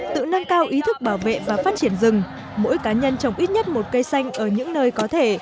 tự nâng cao ý thức bảo vệ và phát triển rừng mỗi cá nhân trồng ít nhất một cây xanh ở những nơi có thể